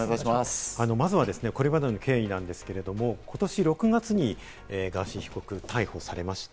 まずは、これまでの経緯なんですけれども、ことし６月にガーシー被告、逮捕されました。